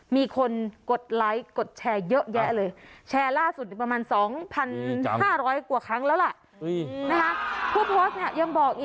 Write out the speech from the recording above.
มีคนกดไลค์กดแชร์เยอะแยะเลย